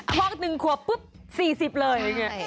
พอกหนึ่งขวบปุ๊บ๔๐เลย